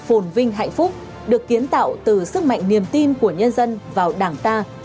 phồn vinh hạnh phúc được kiến tạo từ sức mạnh niềm tin của nhân dân vào đảng ta